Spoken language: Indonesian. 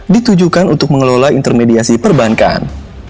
ditujukan untuk mengelola intermediasi perbankan